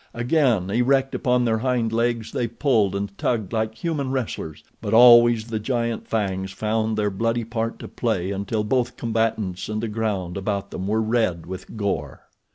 Again, erect upon their hind legs they pulled and tugged like human wrestlers; but always the giant fangs found their bloody part to play until both combatants and the ground about them were red with gore.